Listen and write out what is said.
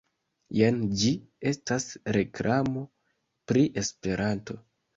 Jen ĝi, estas reklamo pri Esperanto